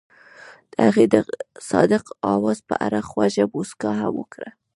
هغې د صادق اواز په اړه خوږه موسکا هم وکړه.